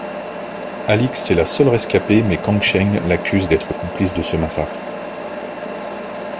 Alix est la seule rescapée mais Kang Sheng l'accuse d'être complice de ce massacre.